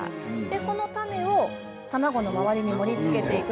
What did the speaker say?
このタネを卵の周りに盛りつけていくと。